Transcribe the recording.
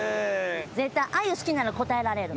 絶対あゆ好きなら答えられる。